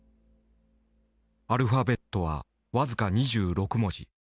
アルファベットは僅か２６文字。